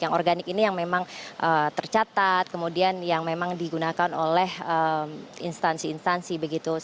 yang organik ini yang memang tercatat kemudian yang memang digunakan oleh instansi instansi begitu